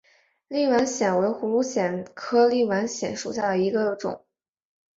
立碗藓为葫芦藓科立碗藓属下的一个种。